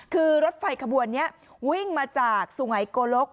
คือรถไฟขบวนนี้วิ่งมาจากสุไงโกลก